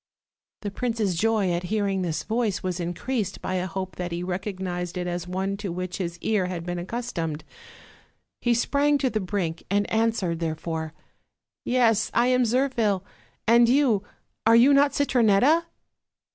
The prince's joy at hearing this voice was increased by a hope that he recognized it as one to which his ear had been accustomed. He sprang to the brink, and .an swered, therefore: "Yes, I am Zirphil; and you, are you not Citronetta?"